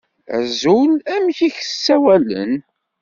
Azul, amek i k-ssawalen?